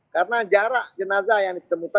karena jarak jenazah yang ditemukan